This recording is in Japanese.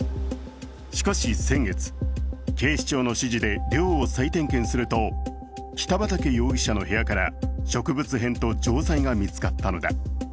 しかし、先月、警視庁の指示で寮を再点検すると北畠容疑者の部屋から植物片と錠剤が見つかったのだ。